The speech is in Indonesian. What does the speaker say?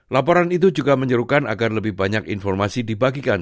laporan itu juga menyerukan agar lebih banyak informasi dibagikan